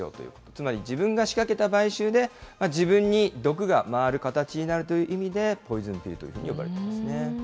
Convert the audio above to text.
つまり自分が仕掛けた買収で、自分に毒が回る形になるという意味で、ポイズンピルというふうに呼ばれいるんですね。